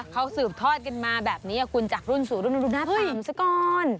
เขาสืบทอดกันมาแบบนี้คุณจากรุ่นสู่รุ่นดูหน้าต่างซะก่อน